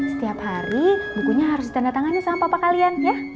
setiap hari bukunya harus ditandatangani sama papa kalian ya